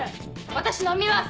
私飲みます！